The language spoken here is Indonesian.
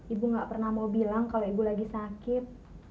ibu gak pernah mau bilang kalau ibu lagi sakit